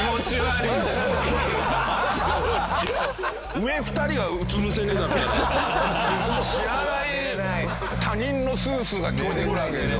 上２人がうつぶせ寝だったら知らない他人のスースーが聞こえてくるわけでしょ。